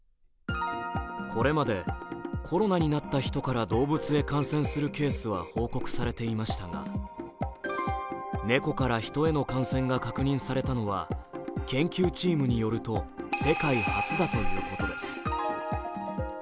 これまでコロナになった人から動物へ感染するケースは報告されていましたが、ネコからヒトへの感染が確認されたのは、研究チームによると世界初だということです。